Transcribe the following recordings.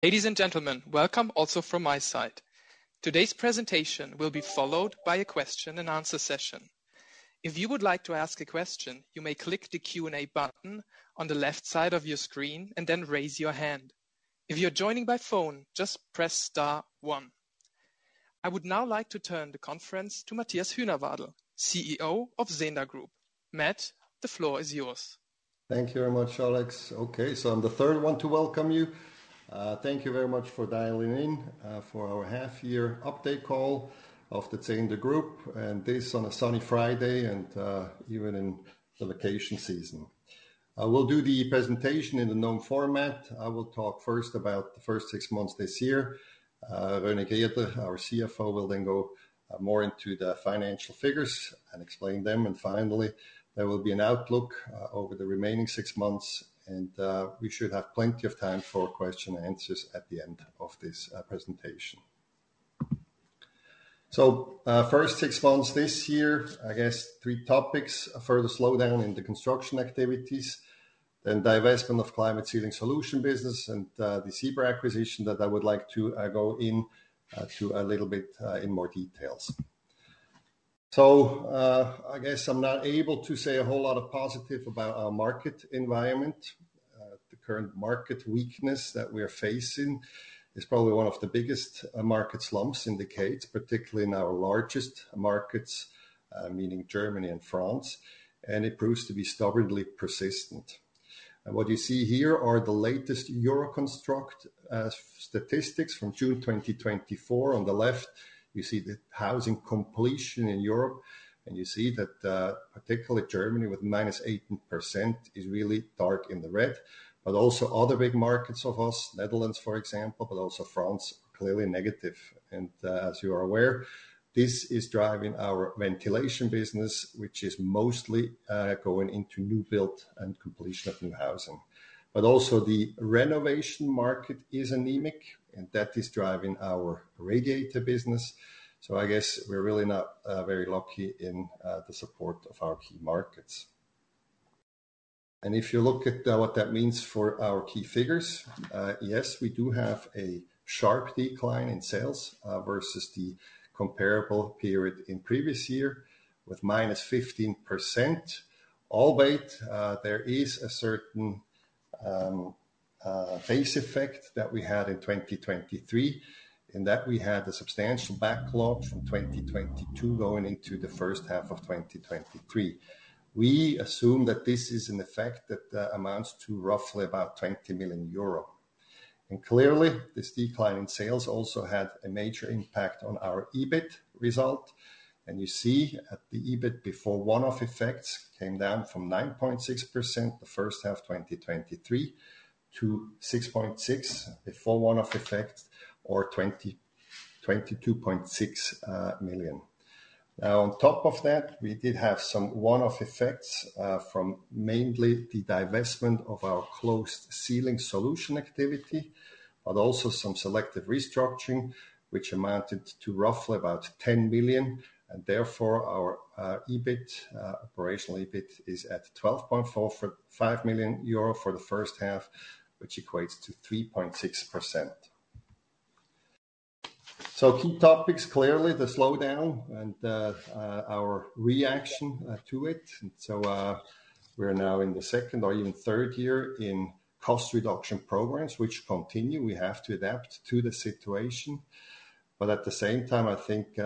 Ladies and gentlemen, welcome also from my side. Today's presentation will be followed by a question-and-answer session. If you would like to ask a question, you may click the Q&A button on the left side of your screen and then raise your hand. If you're joining by phone, just press Star one. I would now like to turn the conference to Matthias Huenerwadel, CEO of Zehnder Group. Matt, the floor is yours. Thank you very much, Alex. Okay, so I'm the third one to welcome you. Thank you very much for dialing in for our half-year update call of the Zehnder Group, and this on a sunny Friday and even in the vacation season. I will do the presentation in the known format. I will talk first about the first six months this year. René Grieder, our CFO, will then go more into the financial figures and explain them. And finally, there will be an outlook over the remaining six months, and we should have plenty of time for question and answers at the end of this presentation. So, first six months this year, I guess three topics: a further slowdown in the construction activities, then divestment of the climate ceiling solutions business, and the Siber acquisition that I would like to go into a little bit in more detail. So, I guess I'm not able to say a whole lot of positive about our market environment. The current market weakness that we're facing is probably one of the biggest market slumps in decades, particularly in our largest markets, meaning Germany and France, and it proves to be stubbornly persistent. What you see here are the latest Euroconstruct statistics from June 2024. On the left, you see the housing completion in Europe, and you see that particularly Germany with -18% is really dark in the red, but also other big markets of us, Netherlands, for example, but also France are clearly negative. As you are aware, this is driving our ventilation business, which is mostly going into new build and completion of new housing. Also the renovation market is anemic, and that is driving our radiator business. So I guess we're really not very lucky in the support of our key markets. And if you look at what that means for our key figures, yes, we do have a sharp decline in sales versus the comparable period in previous year with -15%. Albeit there is a certain phase effect that we had in 2023, in that we had a substantial backlog from 2022 going into the first half of 2023. We assume that this is an effect that amounts to roughly about 20 million euro. And clearly, this decline in sales also had a major impact on our EBIT result. And you see at the EBIT before one-off effects came down from 9.6% the first half of 2023 to 6.6% before one-off effects or 22.6 million. Now, on top of that, we did have some one-off effects from mainly the divestment of our closed ceiling solutions activity, but also some selective restructuring, which amounted to roughly about 10 million. And therefore, our operational EBIT is at 12.45 million euro for the first half, which equates to 3.6%. So, key topics, clearly the slowdown and our reaction to it. And so we're now in the second or in third year in cost reduction programs, which continue. We have to adapt to the situation. But at the same time, I think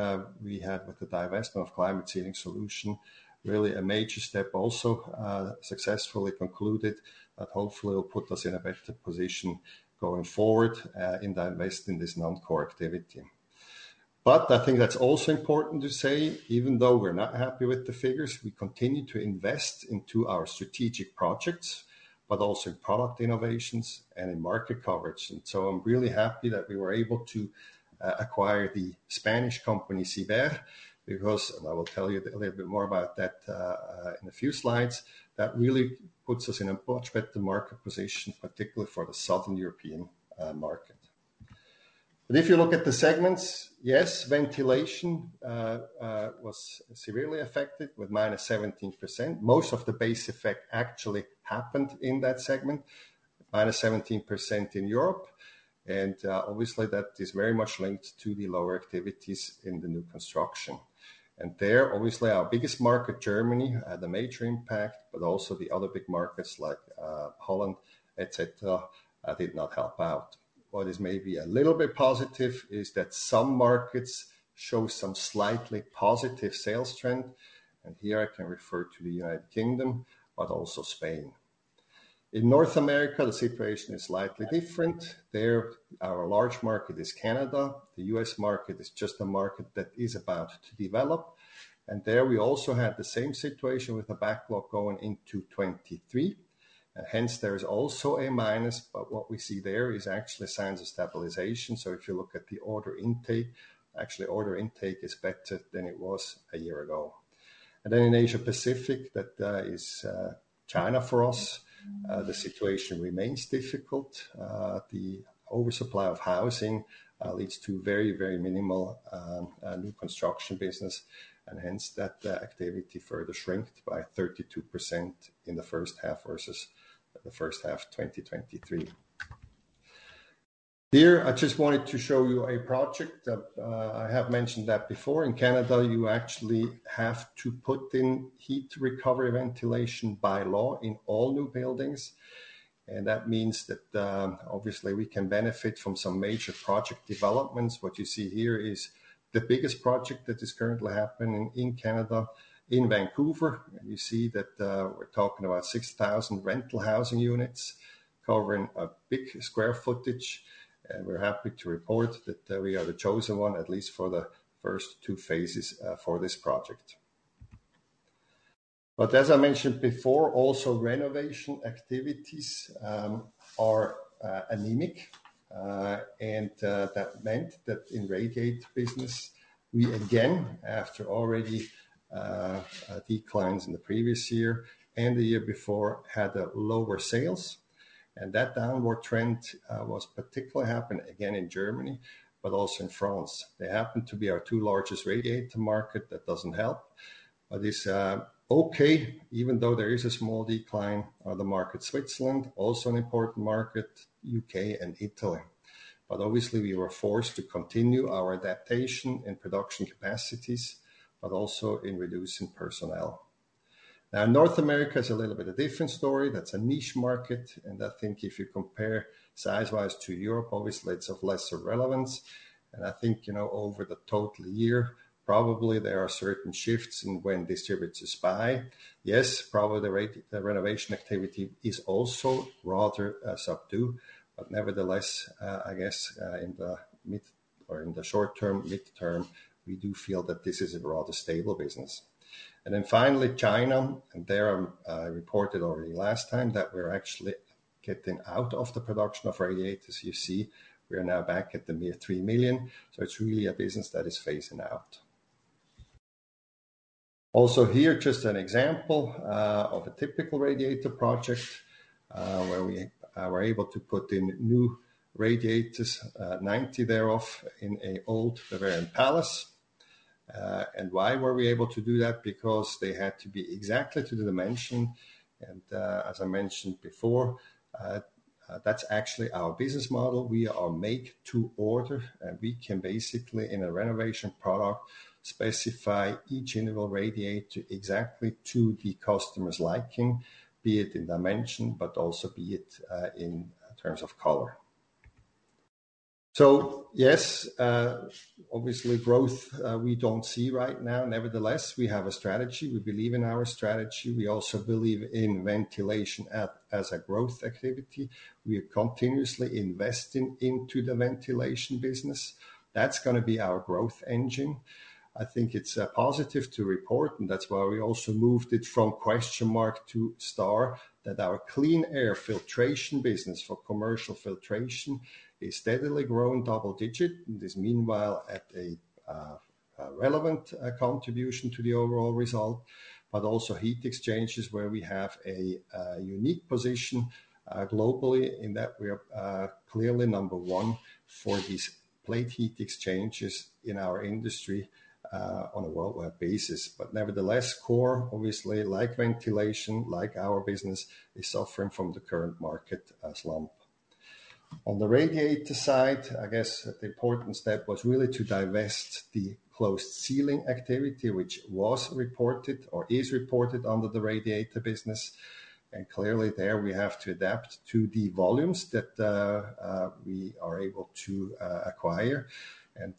we had with the divestment of climate ceiling solutions, really a major step also successfully concluded that hopefully will put us in a better position going forward in divesting this non-core activity. But I think that's also important to say, even though we're not happy with the figures, we continue to invest into our strategic projects, but also in product innovations and in market coverage. So I'm really happy that we were able to acquire the Spanish company Siber, because, and I will tell you a little bit more about that in a few slides, that really puts us in a much better market position, particularly for the southern European market. But if you look at the segments, yes, ventilation was severely affected with -17%. Most of the base effect actually happened in that segment, -17% in Europe. Obviously, that is very much linked to the lower activities in the new construction. There, obviously, our biggest market, Germany, had a major impact, but also the other big markets like Holland, et cetera, did not help out. What is maybe a little bit positive is that some markets show some slightly positive sales trend. Here I can refer to the United Kingdom, but also Spain. In North America, the situation is slightly different. There, our large market is Canada. The U.S. market is just a market that is about to develop. There we also had the same situation with a backlog going into 2023. Hence there is also a minus, but what we see there is actually signs of stabilization. If you look at the order intake, actually order intake is better than it was a year ago. Then in Asia-Pacific, that is China for us, the situation remains difficult. The oversupply of housing leads to very, very minimal new construction business, and hence that activity further shrink by 32% in the first half versus the first half of 2023. Here, I just wanted to show you a project. I have mentioned that before. In Canada, you actually have to put in heat recovery ventilation by law in all new buildings. That means that obviously we can benefit from some major project developments. What you see here is the biggest project that is currently happening in Canada in Vancouver. You see that we're talking about 6,000 rental housing units covering a big square footage. We're happy to report that we are the chosen one, at least for the first two phases for this project. But as I mentioned before, also renovation activities are anemic. And that meant that in radiator business, we again, after already declines in the previous year and the year before, had lower sales. That downward trend was particularly happening again in Germany, but also in France. They happen to be our two largest radiator markets that doesn't help. But it's okay, even though there is a small decline on the market Switzerland, also an important market, UK, and Italy. But obviously we were forced to continue our adaptation in production capacities, but also in reducing personnel. Now, North America is a little bit of a different story that's a niche market. And I think if you compare size-wise to Europe, obviously it's of lesser relevance. And I think, you know, over the total year, probably there are certain shifts in when distributors buy. Yes, probably the renovation activity is also rather subdued. But nevertheless, I guess in the short term, midterm, we do feel that this is a rather stable business. And then finally, China, and there I reported already last time that we're actually getting out of the production of radiators. You see, we are now back at the mere 3 million. So it's really a business that is phasing out. Also here, just an example of a typical radiator project where we were able to put in new radiators, 90 thereof in an old Bavarian palace. And why were we able to do that? Because they had to be exactly to the dimension. And as I mentioned before, that's actually our business model. We are make-to-order, and we can basically in a renovation product specify each individual radiator exactly to the customer's liking, be it in dimension, but also be it in terms of color. So yes, obviously growth we don't see right now. Nevertheless, we have a strategy. We believe in our strategy. We also believe in ventilation as a growth activity. We are continuously investing into the ventilation business. That's going to be our growth engine. I think it's positive to report, and that's why we also moved it from question mark to star, that our clean air filtration business for commercial filtration is steadily growing double-digit. This meanwhile at a relevant contribution to the overall result, but also heat exchangers where we have a unique position globally in that we are clearly number one for these plate heat exchangers in our industry on a worldwide basis. But nevertheless, core obviously, like ventilation, like our business is suffering from the current market slump. On the radiator side, I guess the important step was really to divest the ceiling activity, which was reported or is reported under the radiator business. And clearly there we have to adapt to the volumes that we are able to acquire.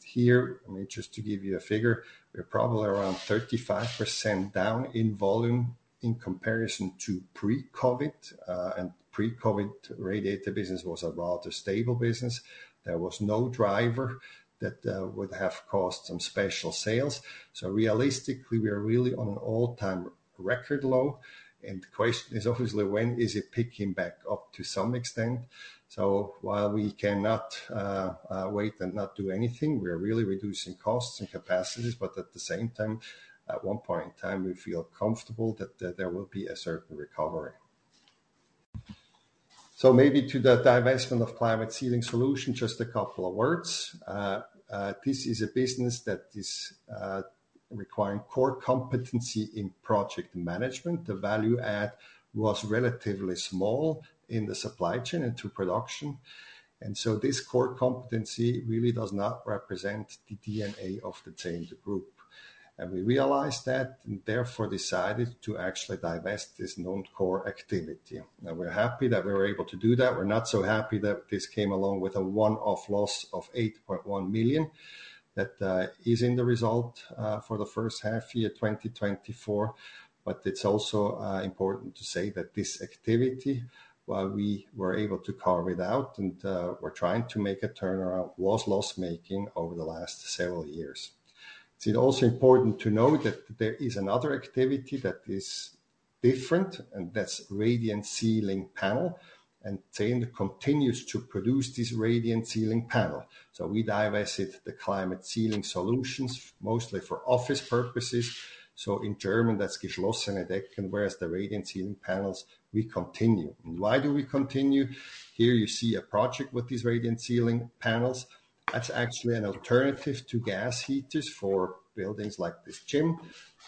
Here, I mean, just to give you a figure, we're probably around 35% down in volume in comparison to pre-COVID and pre-COVID radiator business was a rather stable business. There was no driver that would have caused some special sales. So realistically, we are really on an all-time record low. The question is obviously when is it picking back up to some extent. So, while we cannot wait and not do anything, we are really reducing costs and capacities, but at the same time, at one point in time, we feel comfortable that there will be a certain recovery. So, maybe to the divestment of climate ceiling solutions, just a couple of words. This is a business that is requiring core competency in project management. The value add was relatively small in the supply chain and to production. This core competency really does not represent the DNA of the Zehnder Group. We realized that and therefore decided to actually divest this known core activity. We're happy that we were able to do that. We're not so happy that this came along with a one-off loss of 8.1 million that is in the result for the first half year 2024. But it's also important to say that this activity, while we were able to carve it out and were trying to make a turnaround, was loss-making over the last several years. It's also important to note that there is another activity that is different, and that's radiant ceiling panel. Zehnder continues to produce this radiant ceiling panel. We divested the climate ceiling solutions mostly for office purposes. In German, that's Geschlossenedecken, whereas the radiant ceiling panels, we continue. Why do we continue? Here you see a project with these radiant ceiling panels. That's actually an alternative to gas heaters for buildings like this gym,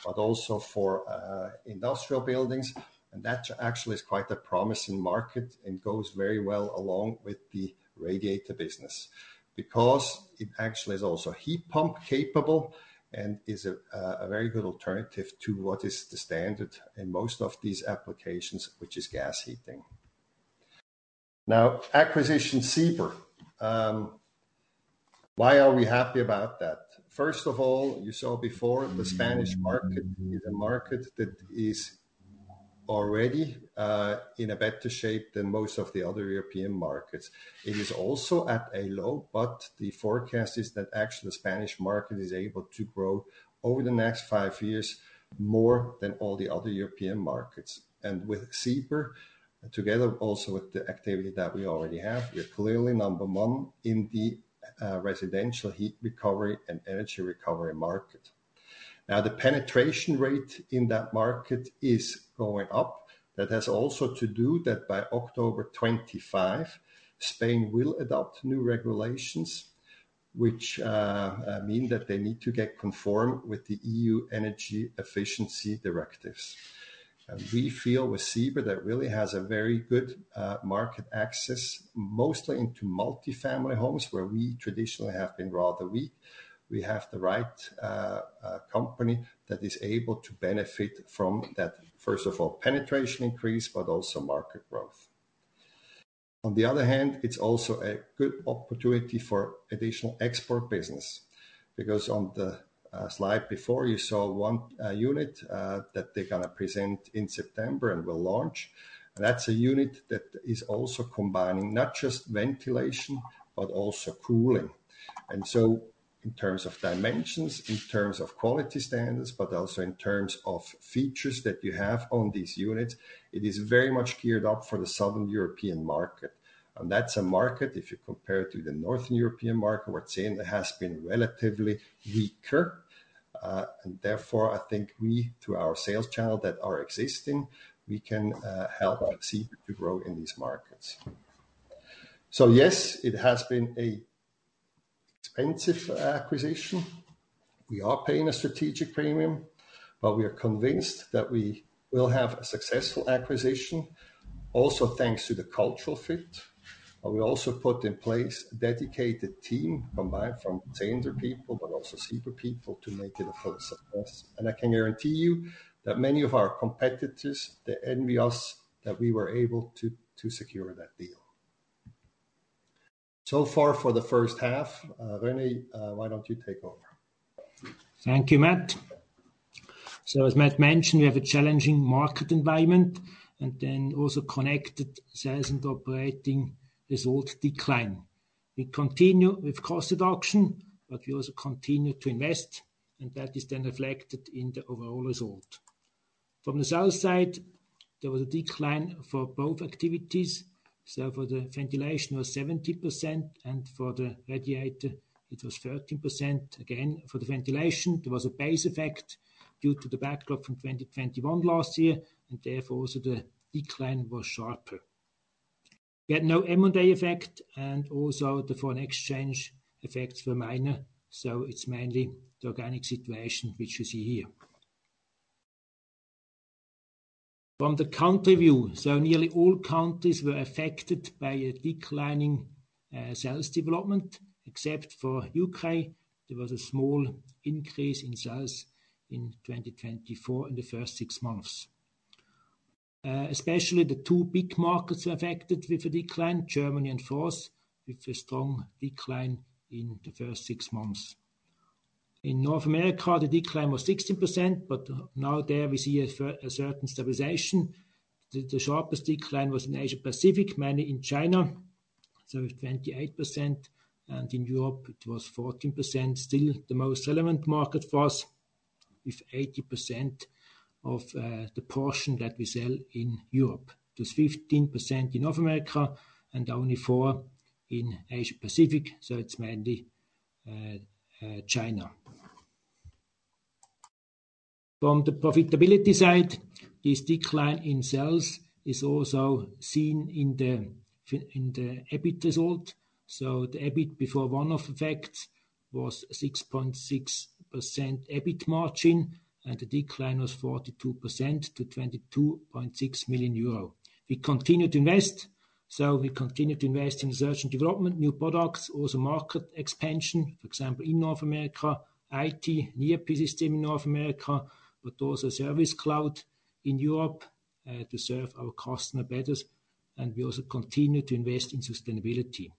but also for industrial buildings. That actually is quite a promising market and goes very well along with the radiator business because it actually is also heat pump capable and is a very good alternative to what is the standard in most of these applications, which is gas heating. Now, acquisition Siber. Why are we happy about that? First of all, you saw before the Spanish market is a market that is already in a better shape than most of the other European markets. It is also at a low, but the forecast is that actually the Spanish market is able to grow over the next five years more than all the other European markets. With Siber, together also with the activity that we already have, we're clearly number one in the residential heat recovery and energy recovery market. Now, the penetration rate in that market is going up. That has also to do that by October 25, Spain will adopt new regulations, which mean that they need to get conformed with the EU energy efficiency directives. And we feel with Siber that really has a very good market access, mostly into multifamily homes, where we traditionally have been rather weak. We have the right company that is able to benefit from that, first of all, penetration increase, but also market growth. On the other hand, it's also a good opportunity for additional export business because on the slide before, you saw one unit that they're going to present in September and will launch. And that's a unit that is also combining not just ventilation, but also cooling. So in terms of dimensions, in terms of quality standards, but also in terms of features that you have on these units, it is very much geared up for the southern European market. And that's a market, if you compare it to the northern European market, where Zehnder has been relatively weaker. And therefore, I think we, through our sales channel that are existing, we can help Siber to grow in these markets. So yes, it has been an expensive acquisition. We are paying a strategic premium, but we are convinced that we will have a successful acquisition, also thanks to the cultural fit. We also put in place a dedicated team combined from Zehnder people, but also Siber people to make it a full success. I can guarantee you that many of our competitors envy us that we were able to secure that deal. So far for the first half, René, why don't you take over? Thank you, Matt. So as Matt mentioned, we have a challenging market environment and then also connected sales and operating result decline. We continue with cost reduction, but we also continue to invest, and that is then reflected in the overall result. From the sales side, there was a decline for both activities. So for the ventilation, it was 70%, and for the radiator, it was 13%. Again, for the ventilation, there was a base effect due to the backlog from 2021 last year, and therefore also the decline was sharper. We had no M&A effect, and also the foreign exchange effects were minor. So it's mainly the organic situation, which you see here. From the country view, so nearly all countries were affected by a declining sales development, except for the UK. There was a small increase in sales in 2024 in the first six months. Especially the two big markets were affected with a decline, Germany and France, with a strong decline in the first six months. In North America, the decline was 16%, but now there we see a certain stabilization. The sharpest decline was in Asia-Pacific, mainly in China, so 28%, and in Europe, it was 14%, still the most relevant market for us, with 80% of the portion that we sell in Europe. It was 15% in North America and only 4% in Asia-Pacific, so it's mainly China. From the profitability side, this decline in sales is also seen in the EBIT result. So the EBIT before one-off effects was 6.6% EBIT margin, and the decline was 42% to 22.6 million euro. We continue to invest, so we continue to invest in research and development, new products, also market expansion, for example, in North America, IT, new ecosystem in North America, but also service cloud in Europe to serve our customer better. And we also continue to invest in sustainability.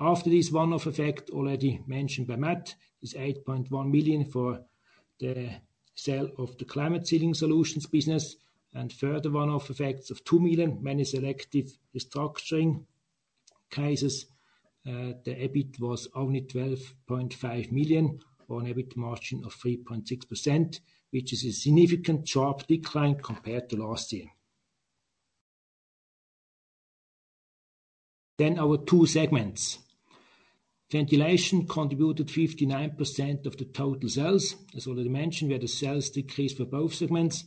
After this, one-off effect already mentioned by Matt is 8.1 million for the sale of the climate ceiling solutions business and further one-off effects of 2 million, many selective restructuring cases. The EBIT was only 12.5 million on EBIT margin of 3.6%, which is a significant sharp decline compared to last year. Then our two segments. Ventilation contributed 59% of the total sales. As already mentioned, we had a sales decrease for both segments.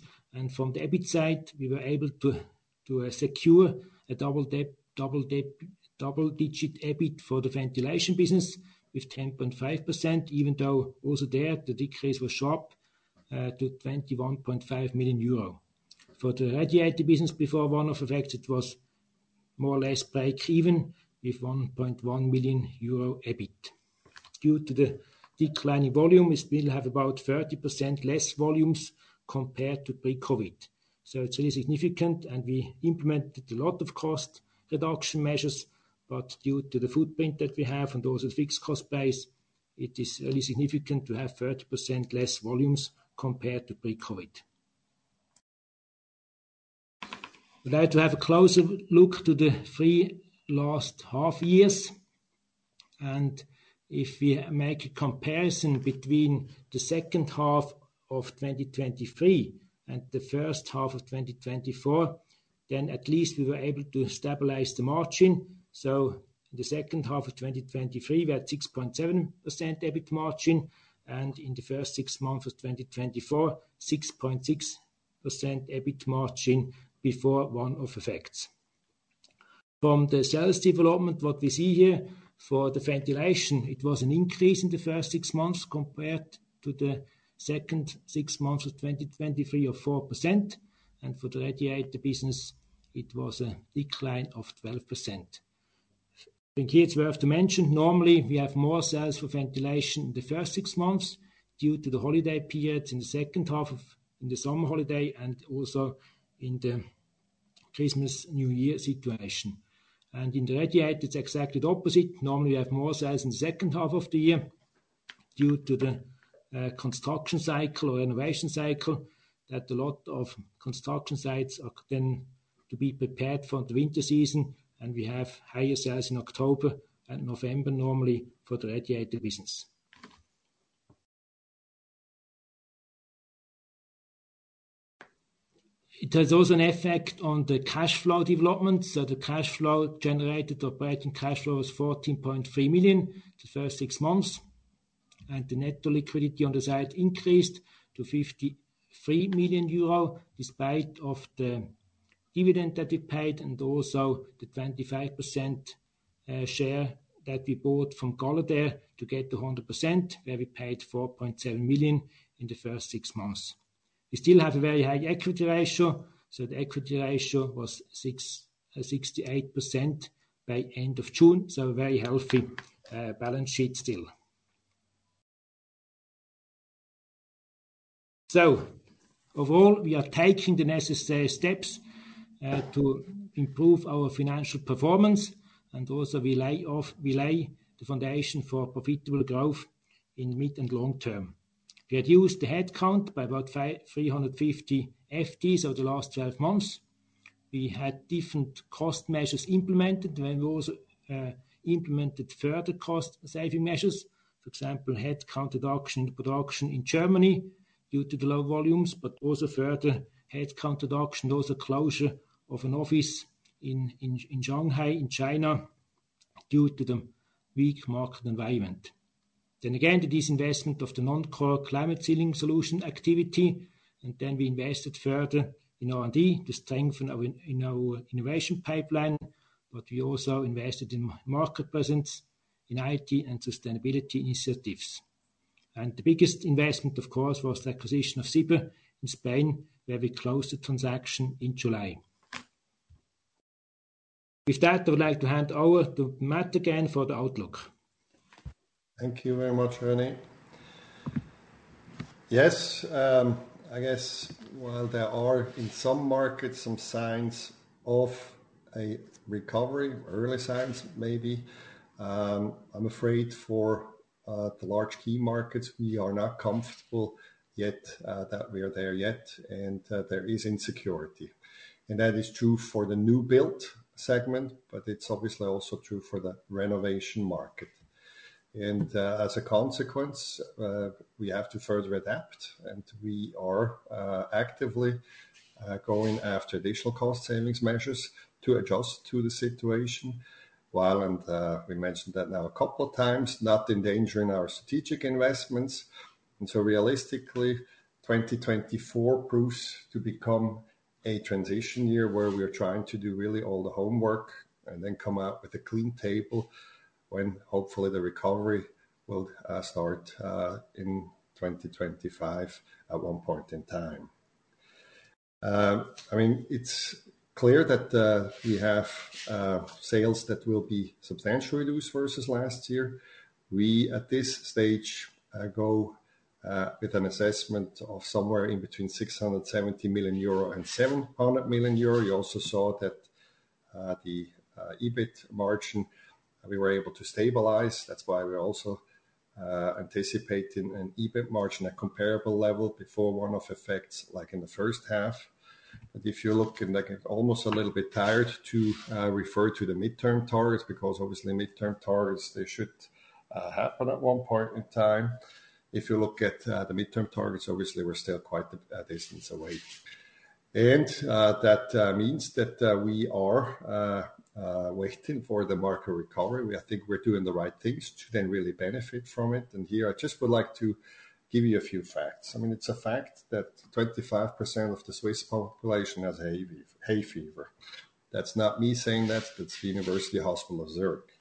From the EBIT side, we were able to secure a double-digit EBIT for the ventilation business with 10.5%, even though also there the decrease was sharp to 21.5 million euro. For the radiator business, before one-off effects, it was more or less break-even with 1.1 million euro EBIT. Due to the declining volume, we still have about 30% less volumes compared to pre-COVID. So it's really significant, and we implemented a lot of cost reduction measures, but due to the footprint that we have and also the fixed cost base, it is really significant to have 30% less volumes compared to pre-COVID. I'd like to have a closer look to the three last half years. If we make a comparison between the second half of 2023 and the first half of 2024, then at least we were able to stabilize the margin. So in the second half of 2023, we had 6.7% EBIT margin, and in the first six months of 2024, 6.6% EBIT margin before one-off effects. From the sales development, what we see here for the ventilation, it was an increase in the first six months compared to the second six months of 2023 of 4%. And for the radiator business, it was a decline of 12%. I think here's worth to mention. Normally, we have more sales for ventilation in the first six months due to the holiday periods in the second half of the summer holiday and also in the Christmas New Year situation. And in the radiators, exactly the opposite. Normally, we have more sales in the second half of the year due to the construction cycle or renovation cycle that a lot of construction sites are then to be prepared for the winter season, and we have higher sales in October and November normally for the radiator business. It has also an effect on the cash flow development. So the cash flow generated, operating cash flow was 14.3 million the first six months, and the net liquidity on the side increased to 53 million euro despite of the dividend that we paid and also the 25% share that we bought from Caladair to get 100%, where we paid 4.7 million in the first six months. We still have a very high equity ratio, so the equity ratio was 68% by end of June, so a very healthy balance sheet still. So, overall we are taking the necessary steps to improve our financial performance, and also we lay the foundation for profitable growth in mid and long term. We have reduced the headcount by about 350 FTEs over the last 12 months. We have implemented different cost measures. We also implemented further cost-saving measures, for example, headcount reduction in production in Germany due to the low volumes, but also further headcount reduction, also closure of an office in Shanghai in China due to the weak market environment. Then again, the disinvestment of the non-core climate ceiling solutions activity, and then we invested further in R&D to strengthen our innovation pipeline, but we also invested in market presence in IT and sustainability initiatives. And the biggest investment, of course, was the acquisition of Siber in Spain, where we closed the transaction in July. With that, I would like to hand over to Matt again for the outlook. Thank you very much, René. Yes, I guess while there are in some markets some signs of a recovery, early signs maybe, I'm afraid for the large key markets, we are not comfortable yet that we are there yet, and there is insecurity. And that is true for the new-built segment, but it's obviously also true for the renovation market. And as a consequence, we have to further adapt, and we are actively going after additional cost-savings measures to adjust to the situation. While, and we mentioned that now a couple of times, not endangering our strategic investments. So realistically, 2024 proves to become a transition year where we are trying to do really all the homework and then come out with a clean table when hopefully the recovery will start in 2025 at one point in time. I mean, it's clear that we have sales that will be substantially reduced versus last year. We at this stage go with an assessment of somewhere in between 670 million euro and 700 million euro. You also saw that the EBIT margin we were able to stabilize. That's why we're also anticipating an EBIT margin at comparable level before one-off effects like in the first half. But if you look at almost a little bit tired to refer to the midterm targets, because obviously midterm targets, they should happen at one point in time. If you look at the midterm targets, obviously we're still quite a distance away. And that means that we are waiting for the market recovery. I think we're doing the right things to then really benefit from it. And here, I just would like to give you a few facts. I mean, it's a fact that 25% of the Swiss population has hay fever. That's not me saying that, that's the University Hospital Zurich.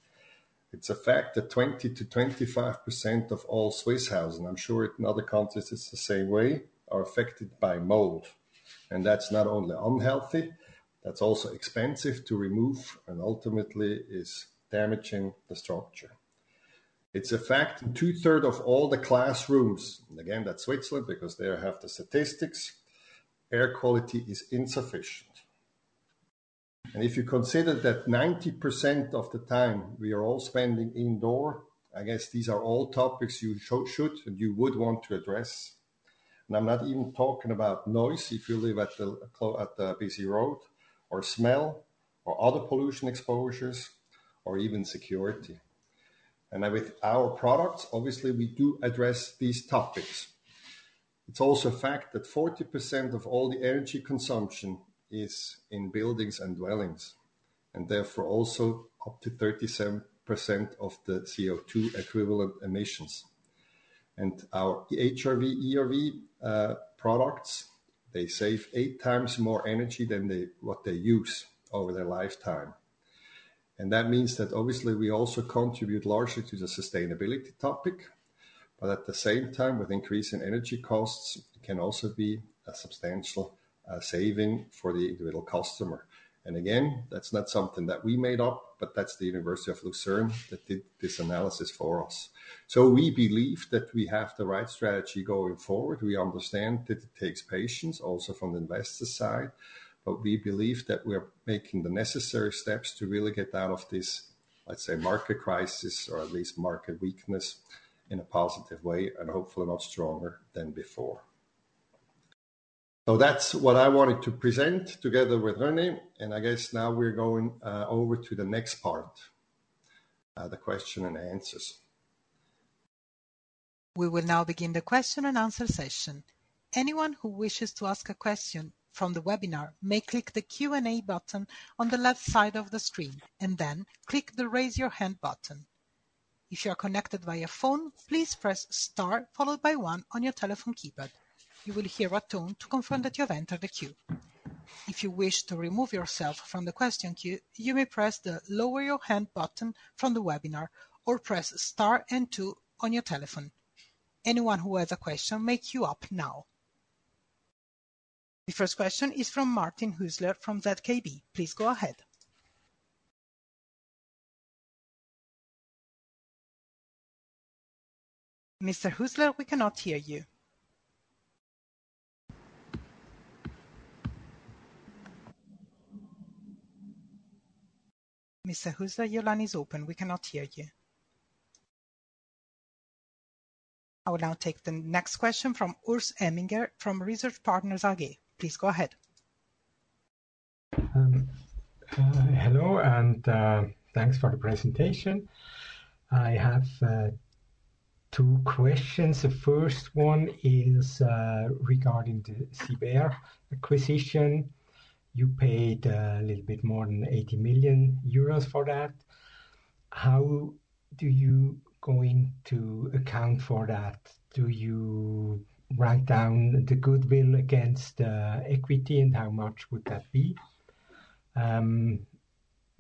It's a fact that 20%-25% of all Swiss housing, I'm sure in other countries it's the same way, are affected by mold. And that's not only unhealthy, that's also expensive to remove and ultimately is damaging the structure. It's a fact that two-thirds of all the classrooms, and again, that's Switzerland because they have the statistics, air quality is insufficient. If you consider that 90% of the time we are all spending indoors, I guess these are all topics you should and you would want to address. I'm not even talking about noise if you live at the busy road or smell or other pollution exposures or even security. With our products, obviously we do address these topics. It's also a fact that 40% of all the energy consumption is in buildings and dwellings, and therefore also up to 37% of the CO2 equivalent emissions. Our HRV, ERV products, they save eight times more energy than what they use over their lifetime. That means that obviously we also contribute largely to the sustainability topic, but at the same time, with increasing energy costs, it can also be a substantial saving for the individual customer. And again, that's not something that we made up, but that's the Lucerne University of Applied Sciences and Arts that did this analysis for us. So we believe that we have the right strategy going forward. We understand that it takes patience also from the investor side, but we believe that we are making the necessary steps to really get out of this, let's say, market crisis or at least market weakness in a positive way and hopefully not stronger than before. So that's what I wanted to present together with René, and I guess now we're going over to the next part, the question and answers. We will now begin the question and answer session. Anyone who wishes to ask a question from the webinar may click the Q&A button on the left side of the screen and then click the Raise Your Hand button. If you are connected via phone, please press Star followed by one on your telephone keypad. You will hear a tone to confirm that you have entered the queue. If you wish to remove yourself from the question queue, you may press the Lower Your Hand button from the webinar or press Star and two on your telephone. Anyone who has a question may queue up now. The first question is from Martin Hüsler from ZKB. Please go ahead. Mr. Hüsler, we cannot hear you. Mr. Hüsler, your line is open. We cannot hear you. I will now take the next question from Urs Emminger from Research Partners AG. Please go ahead. Hello and thanks for the presentation. I have two questions. The first one is regarding the Zehnder acquisition. You paid a little bit more than 80 million euros for that. How do you going to account for that? Do you write down the goodwill against the equity and how much would that be?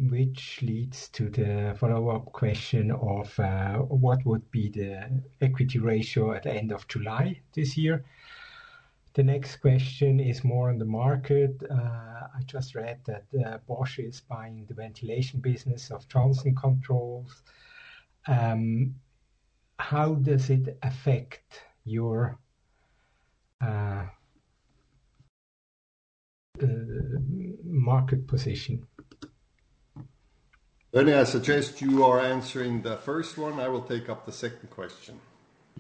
Which leads to the follow-up question of what would be the equity ratio at the end of July this year? The next question is more on the market. I just read that Bosch is buying the ventilation business of Johnson Controls. How does it affect your market position? René, I suggest you are answering the first one. I will take up the second question.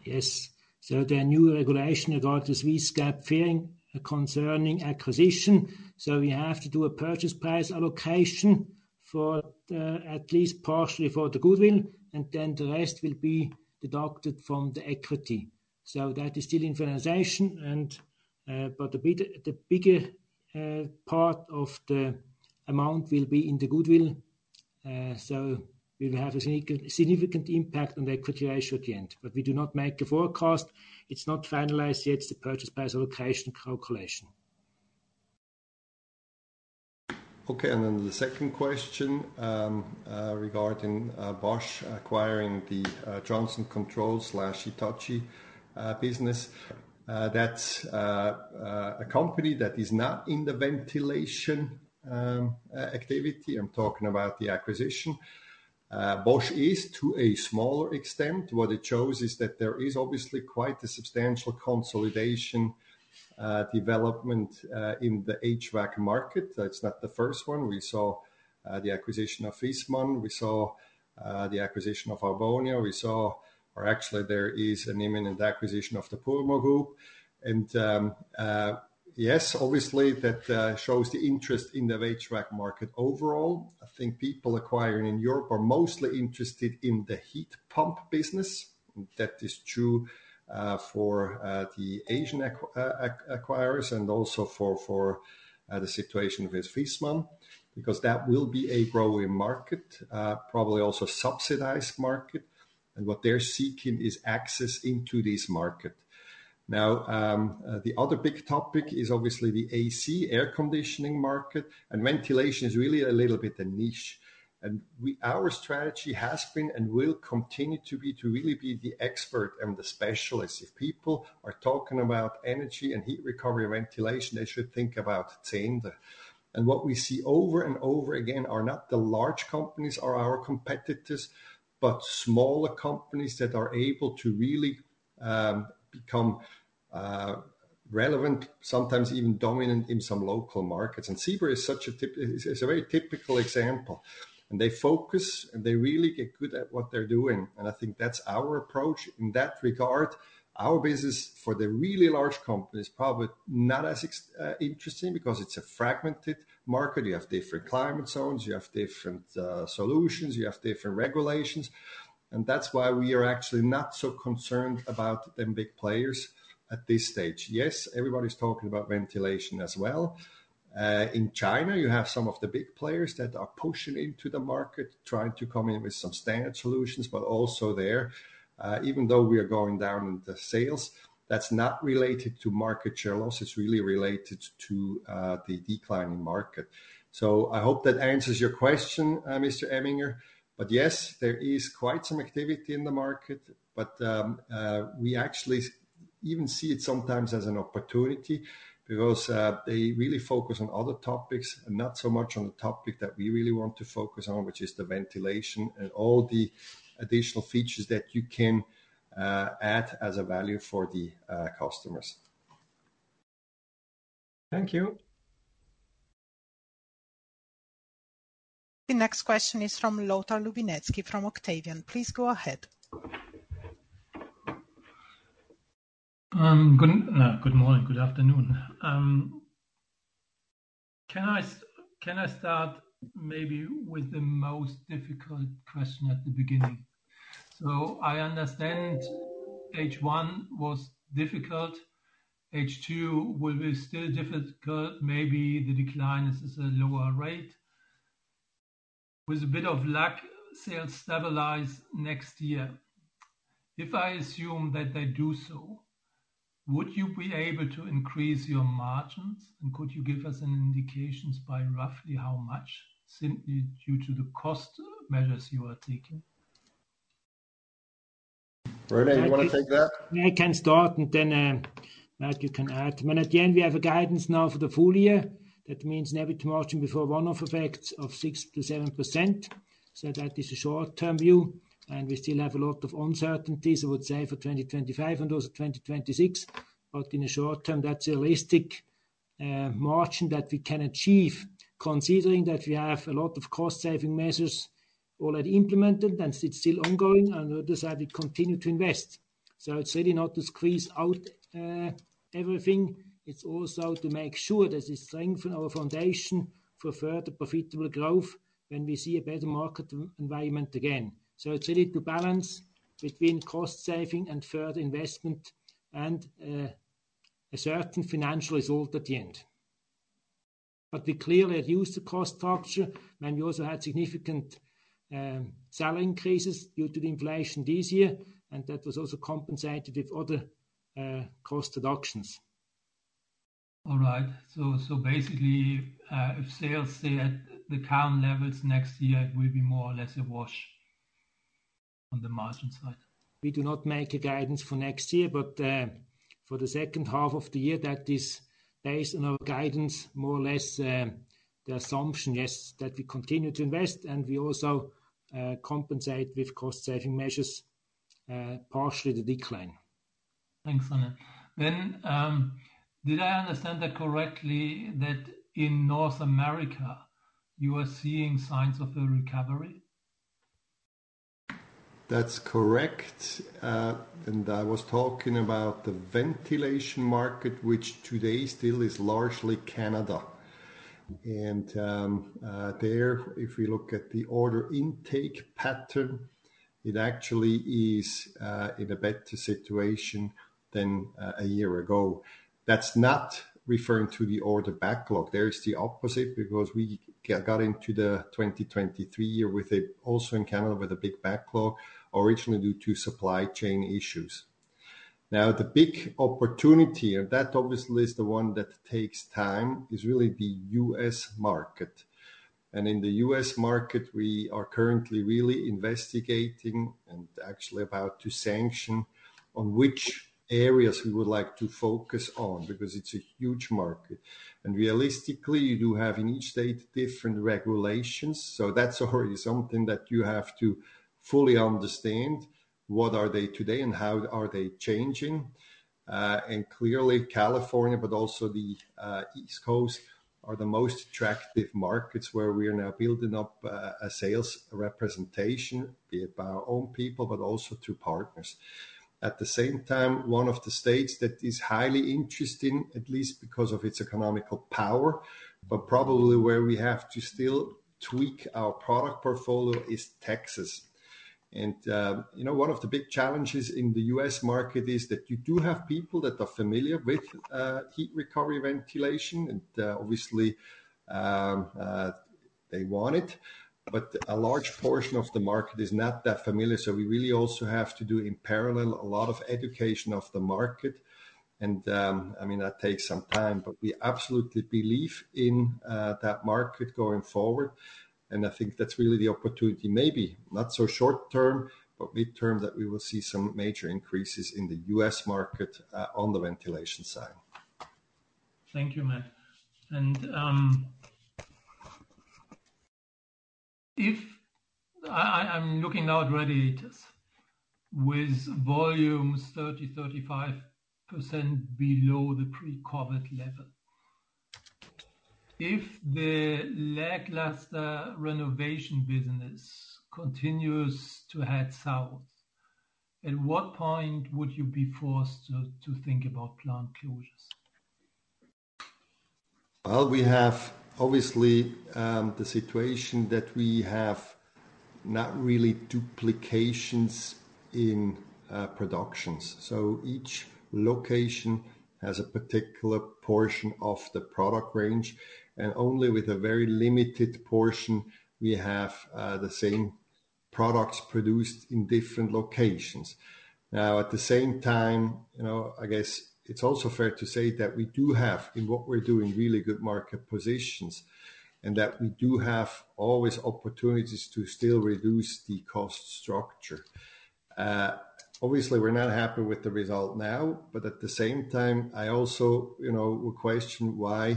Yes. So there are new regulations regarding Swiss GAAP FER concerning acquisition. So we have to do a purchase price allocation for at least partially for the goodwill, and then the rest will be deducted from the equity. So that is still in finalization, but the bigger part of the amount will be in the goodwill. So we will have a significant impact on the equity ratio at the end, but we do not make a forecast. It's not finalized yet, the purchase price allocation calculation. Okay, and then the second question regarding Bosch acquiring the Johnson Controls/Hitachi business. That's a company that is not in the ventilation activity. I'm talking about the acquisition. Bosch is to a smaller extent. What it shows is that there is obviously quite a substantial consolidation development in the HVAC market. It's not the first one. We saw the acquisition of Viessmann. We saw the acquisition of Arbonia. We saw, or actually there is an imminent acquisition of the Purmo Group. And yes, obviously that shows the interest in the HVAC market overall. I think people acquiring in Europe are mostly interested in the heat pump business. That is true for the Asian acquirers and also for the situation with Viessmann because that will be a growing market, probably also a subsidized market. And what they're seeking is access into this market. Now, the other big topic is obviously the AC air conditioning market, and ventilation is really a little bit a niche. And our strategy has been and will continue to be to really be the expert and the specialist. If people are talking about energy and heat recovery and ventilation, they should think about Zehnder. And what we see over and over again are not the large companies or our competitors, but smaller companies that are able to really become relevant, sometimes even dominant in some local markets. And Zehnder is such a very typical example, and they focus and they really get good at what they're doing. And I think that's our approach in that regard. Our business for the really large company is probably not as interesting because it's a fragmented market. You have different climate zones, you have different solutions, you have different regulations. And that's why we are actually not so concerned about them big players at this stage. Yes, everybody's talking about ventilation as well. In China, you have some of the big players that are pushing into the market, trying to come in with some standard solutions, but also there, even though we are going down in the sales, that's not related to market share loss. It's really related to the declining market. So I hope that answers your question, Mr. Emminger. But yes, there is quite some activity in the market, but we actually even see it sometimes as an opportunity because they really focus on other topics and not so much on the topic that we really want to focus on, which is the ventilation and all the additional features that you can add as a value for the customers. Thank you. The next question is from Lothar Lubinetzki from Octavian. Please go ahead. Good morning, good afternoon. Can I start maybe with the most difficult question at the beginning? So I understand H1 was difficult. H2 will be still difficult. Maybe the decline is a lower rate. With a bit of luck, sales stabilize next year. If I assume that they do so, would you be able to increase your margins and could you give us an indication by roughly how much simply due to the cost measures you are taking? René, you want to take that? I can start and then Matt, you can add. At the end, we have a guidance now for the full year. That means net margin before one-off effects of 6%-7%. That is a short-term view. We still have a lot of uncertainties, I would say, for 2025 and also 2026. In the short term, that's a realistic margin that we can achieve considering that we have a lot of cost-saving measures already implemented and it's still ongoing. On the other side, we continue to invest. It's really not to squeeze out everything. It's also to make sure that we strengthen our foundation for further profitable growth when we see a better market environment again. So it's really to balance between cost-saving and further investment and a certain financial result at the end. But we clearly had used the cost structure when we also had significant selling price increases due to the inflation this year, and that was also compensated with other cost reductions. All right. So basically, if sales stay at the current levels next year, it will be more or less a wash on the margin side. We do not make a guidance for next year, but for the second half of the year, that is based on our guidance, more or less the assumption, yes, that we continue to invest and we also compensate with cost-saving measures partially the decline. Thanks, René. Then did I understand that correctly that in North America, you are seeing signs of a recovery? That's correct. And I was talking about the ventilation market, which today still is largely Canada. And there, if we look at the order intake pattern, it actually is in a better situation than a year ago. That's not referring to the order backlog. There is the opposite because we got into the 2023 year with also in Canada with a big backlog originally due to supply chain issues. Now, the big opportunity, and that obviously is the one that takes time, is really the U.S. market. And in the U.S. market, we are currently really investigating and actually about to sanction on which areas we would like to focus on because it's a huge market. And realistically, you do have in each state different regulations. So that's already something that you have to fully understand what are they today and how are they changing. And clearly, California, but also the East Coast are the most attractive markets where we are now building up a sales representation, be it by our own people, but also through partners. At the same time, one of the states that is highly interesting, at least because of its economic power, but probably where we have to still tweak our product portfolio is Texas. And one of the big challenges in the U.S. market is that you do have people that are familiar with heat recovery ventilation and obviously they want it, but a large portion of the market is not that familiar. So we really also have to do in parallel a lot of education of the market. And I mean, that takes some time, but we absolutely believe in that market going forward. And I think that's really the opportunity, maybe not so short term, but midterm that we will see some major increases in the US market on the ventilation side. Thank you, Matt. And I'm looking now at radiators with volumes 30%-35% below the pre-COVID level. If the lackluster renovation business continues to head south, at what point would you be forced to think about plant closures? Well, we have obviously the situation that we have not really duplications in productions. So each location has a particular portion of the product range, and only with a very limited portion, we have the same products produced in different locations. Now, at the same time, I guess it's also fair to say that we do have in what we're doing really good market positions and that we do have always opportunities to still reduce the cost structure. Obviously, we're not happy with the result now, but at the same time, I also would question why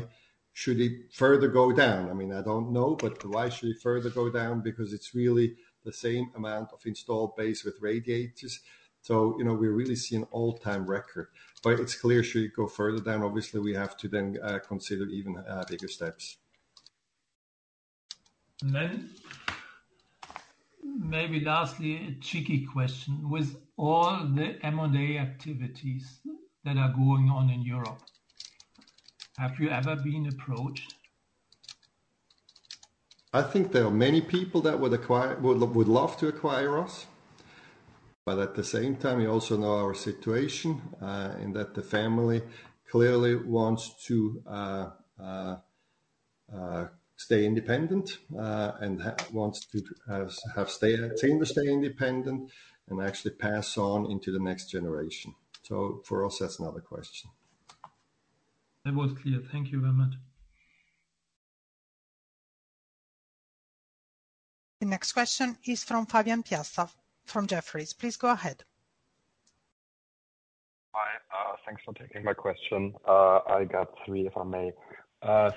should it further go down? I mean, I don't know, but why should it further go down? Because it's really the same amount of installed base with radiators. So we're really seeing an all-time record. But it's clear should it go further down, obviously we have to then consider even bigger steps. And then maybe lastly, a tricky question. With all the M&A activities that are going on in Europe, have you ever been approached? I think there are many people that would love to acquire us. But at the same time, you also know our situation in that the family clearly wants to stay independent and wants to have seen the stay independent and actually pass on into the next generation. So for us, that's another question. That was clear. Thank you very much. The next question is from Fabian Piasta from Jefferies. Please go ahead. Hi. Thanks for taking my question. I got three, if I may.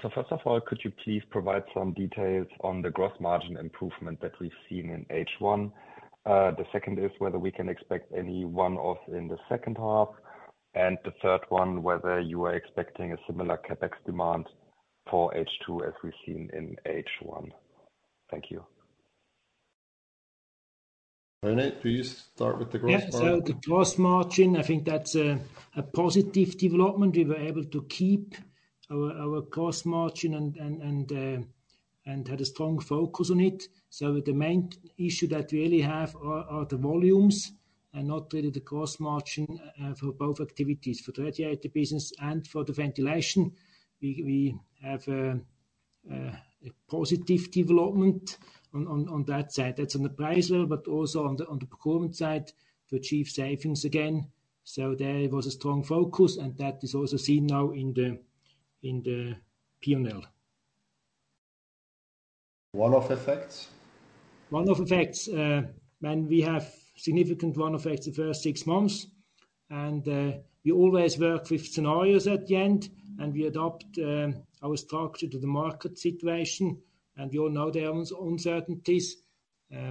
So first of all, could you please provide some details on the gross margin improvement that we've seen in H1? The second is whether we can expect any one-off in the second half. And the third one, whether you are expecting a similar CapEx demand for H2 as we've seen in H1. Thank you. René, do you start with the gross margin? Yes, so the gross margin, I think that's a positive development. We were able to keep our gross margin and had a strong focus on it. So the main issue that we really have are the volumes and not really the gross margin for both activities, for the radiator business and for the ventilation. We have a positive development on that side. That's on the price level, but also on the performance side to achieve savings again. So there was a strong focus, and that is also seen now in the P&L. One-off effects? One-off effects. When we have significant one-off effects the first six months. We always work with scenarios at the end, and we adopt our structure to the market situation. We all know there are uncertainties,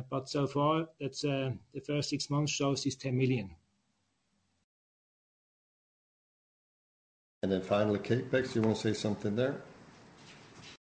but so far, the first six months shows is 10 million. Then finally, CapEx, you want to say something there?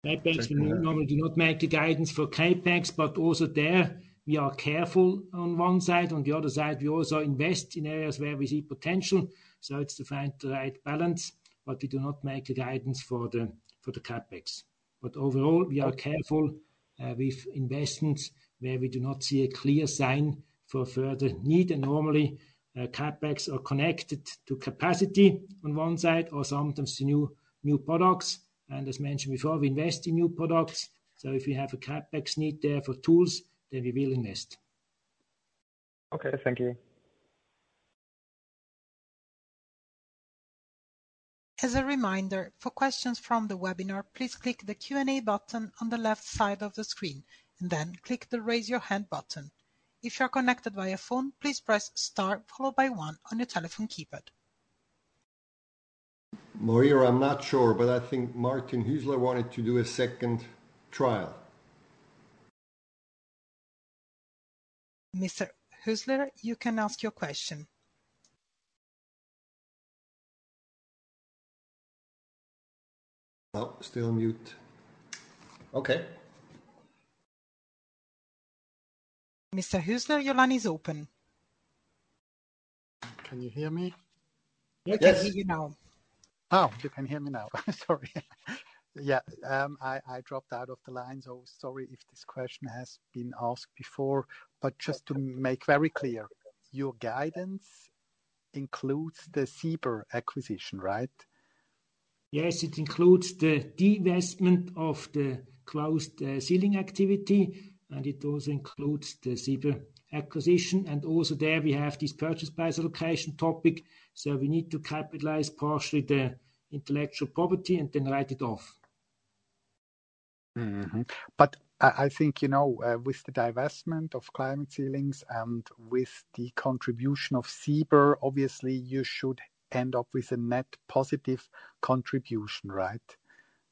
CapEx, we normally do not make the guidance for CapEx, but also there, we are careful on one side. On the other side, we also invest in areas where we see potential. So it's to find the right balance, but we do not make the guidance for the CapEx. But overall, we are careful with investments where we do not see a clear sign for further need. And normally, CapEx are connected to capacity on one side or sometimes to new products. And as mentioned before, we invest in new products. So if we have a CapEx need there for tools, then we will invest. Okay, thank you. As a reminder, for questions from the webinar, please click the Q&A button on the left side of the screen and then click the raise your hand button. If you're connected via phone, please press star followed by one on your telephone keypad. Moira, I'm not sure, but I think Martin Hüsler wanted to do a second dial. Mr. Hüsler, you can ask your question. Oh, still mute. Okay. Mr. Hüsler, your line is open. Can you hear me? Yes, I hear you now. Oh, you can hear me now. Sorry. Yeah, I dropped out of the line. So sorry if this question has been asked before. But just to make very clear, your guidance includes the Siber acquisition, right? Yes, it includes the de-investment of the closed ceiling activity, and it also includes the Siber acquisition. And also there, we have this purchase price allocation topic. So we need to capitalize partially the intellectual property and then write it off. But I think with the divestment of climate ceilings and with the contribution of Siber, obviously, you should end up with a net positive contribution, right?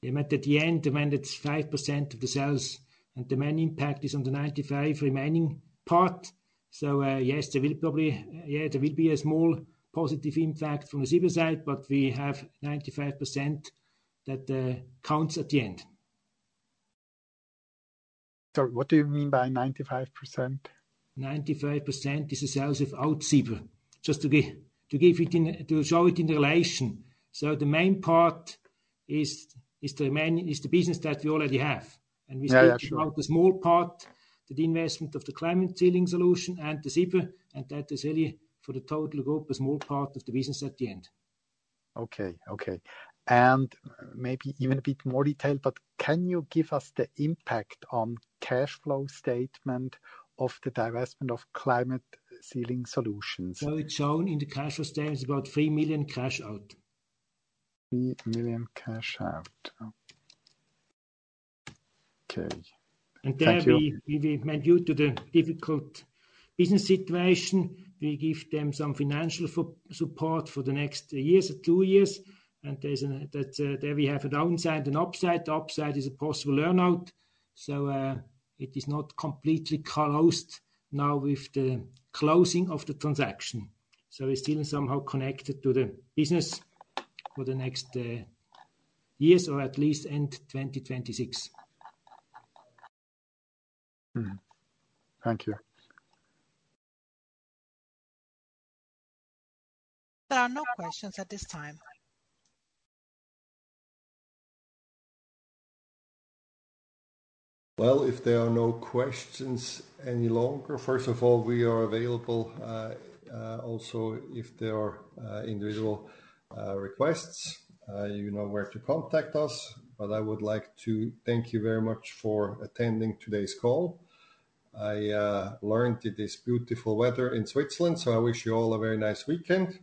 At the end, the main it's 5% of the sales, and the main impact is on the 95 remaining part. So yes, there will probably, yeah, there will be a small positive impact from the Siber side, but we have 95% that counts at the end. Sorry, what do you mean by 95%? 95% is the sales of old Siber. Just to show it in relation. So the main part is the business that we already have. And we still have a small part, the de-investment of the climate ceiling solution and the Siber, and that is really for the total group, a small part of the business at the end. Okay, okay. And maybe even a bit more detail, but can you give us the impact on cash flow statement of the divestment of climate ceiling solutions? Well, it's shown in the cash flow statement; it's about 3 million cash out. 3 million cash out. Okay. And therefore, due to the difficult business situation, we give them some financial support for the next year or two years. And there we have a downside and upside. The upside is a possible earn-out. So it is not completely closed now with the closing of the transaction. So it's still somehow connected to the business for the next years or at least end 2026. Thank you. There are no questions at this time. Well, if there are no questions any longer, first of all, we are available also if there are individual requests. You know where to contact us. I would like to thank you very much for attending today's call. I learned it is beautiful weather in Switzerland, so I wish you all a very nice weekend.